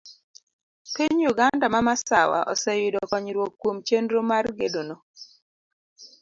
Piny Uganda ma masawa oseyudo konyruok kuom chenro mar gedono.